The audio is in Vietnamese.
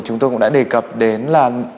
chúng tôi cũng đã đề cập đến là